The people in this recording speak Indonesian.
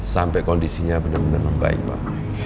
sampai kondisinya bener bener membaik pak